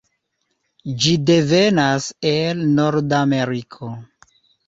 Ĝi devenas el nordameriko.